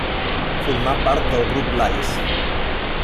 Formà part del Grup Lais.